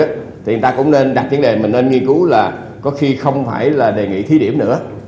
thì người ta cũng nên đặt vấn đề mà nên nghiên cứu là có khi không phải là đề nghị thí điểm nữa